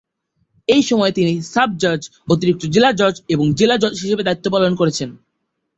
এসময় তিনি সাব জজ, অতিরিক্ত জেলা জজ ও জেলা জজ হিসেবে দায়িত্বপালন করেছেন।